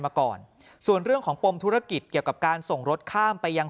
มาก่อนส่วนเรื่องของปมธุรกิจเกี่ยวกับการส่งรถข้ามไปยัง